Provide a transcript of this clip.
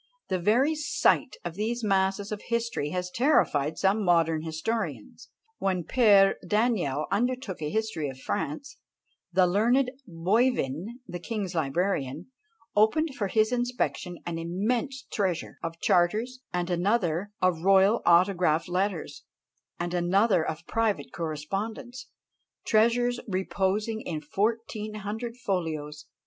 The very sight of these masses of history has terrified some modern historians. When Père Daniel undertook a history of France, the learned Boivin, the king's librarian, opened for his inspection an immense treasure of charters, and another of royal autograph letters, and another of private correspondence; treasures reposing in fourteen hundred folios!